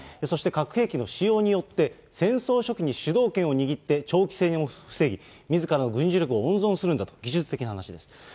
そして、核兵器の使用によって、戦争初期に主導権を握って長期戦を防ぎ、みずからの軍事力を温存するんだと、技術的な話です。